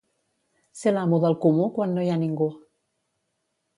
Ser l'amo del comú quan no hi ha ningú.